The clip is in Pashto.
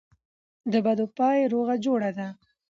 دبدو پای روغه جوړه ده.